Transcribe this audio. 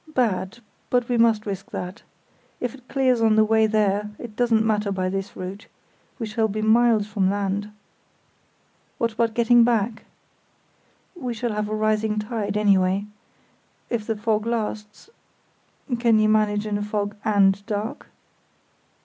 Bad; but we must risk that. If it clears on the way there it doesn't matter by this route; we shall be miles from land." "What about getting back?" "We shall have a rising tide, anyway. If the fog lasts—can you manage in a fog and dark?"